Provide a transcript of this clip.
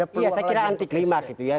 ya saya kira anti klimat gitu ya